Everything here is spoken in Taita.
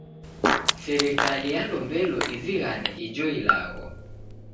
Serikali yalombelo izighane ijo ilagho.